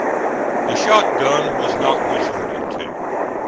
The shot gun was not resorted to.